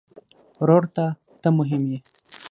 ورور ته ته مهم یې.